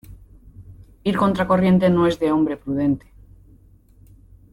Ir contracorriente no es de hombre prudente.